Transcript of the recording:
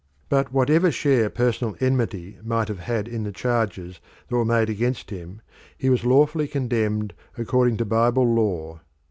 But whatever share personal enmity might have had in the charges that were made against him, he was lawfully condemned according to Bible law.